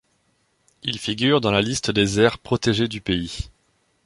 Il figure dans la liste des aires protégées du pays.